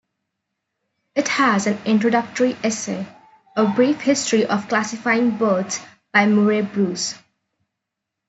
It has an introductory essay "A Brief History of Classifying Birds" by Murray Bruce.